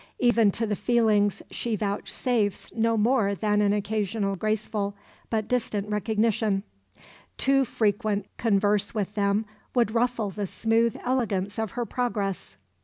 Even to the feelings she vouchsafes no more than an occasional graceful but distant recognition too frequent converse with them would ruffle the smooth elegance of her progress."